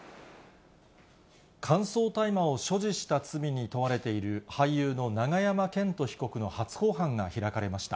乾燥大麻を所持した罪に問われている、俳優の永山絢斗被告の初公判が開かれました。